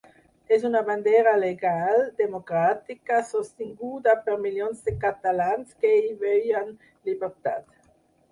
És una bandera legal, democràtica, sostinguda per milions de catalans que hi veuen llibertat.